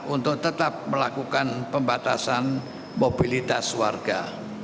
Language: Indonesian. untuk tetap melakukan pembatasan mobilitas warga